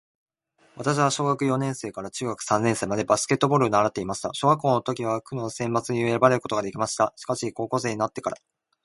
私は小学四年生から中学三年生までバスケットボールを習っていました。小学生の時は区の選抜にも選ばれることができました。しかし、高校生になってからバスケットボールに飽きてしまって硬式テニス部に入部しました。